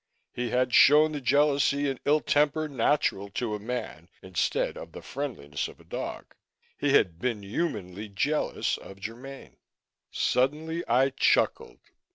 He had shown the jealousy and ill temper natural to a man, instead of the friendliness of a dog. He had been humanly jealous of Germaine. Suddenly I chuckled.